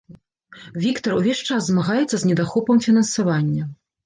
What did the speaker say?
Віктар увесь час змагаецца з недахопам фінансавання.